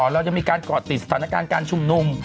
เราจะมีการก่อติดสถานการณ์การชุมนุม